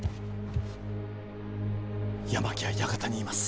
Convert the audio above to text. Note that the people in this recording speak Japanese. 山木は館にいます。